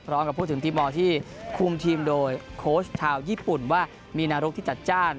พร้อมกับพูดถึงทีมมอลที่คุมทีมโดยโค้ชชาวญี่ปุ่นว่ามีนรกที่จัดจ้าน